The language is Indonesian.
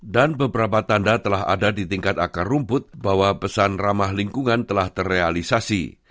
dan beberapa tanda telah ada di tingkat akar rumput bahwa pesan ramah lingkungan telah terrealisasi